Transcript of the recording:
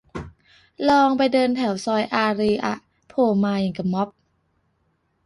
ลองไปเดินแถวซอยอารีย์อะ โผล่มาอย่างกะม็อบ